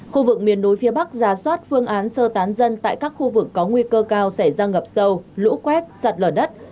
khu vực miền núi phía bắc giả soát phương án sơ tán dân tại các khu vực có nguy cơ cao xảy ra ngập sâu lũ quét sạt lở đất